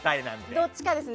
どっちかですね。